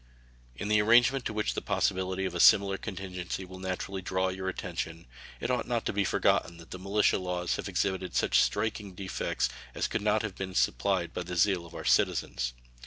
In the arrangement to which the possibility of a similar contingency will naturally draw your attention it ought not to be forgotten that the militia laws have exhibited such striking defects as could not have been supplied by the zeal of our citizens.